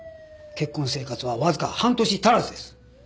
結婚生活はわずか半年足らずです。